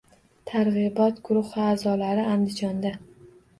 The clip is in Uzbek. Targ‘ibot guruhi a’zolari Andijonda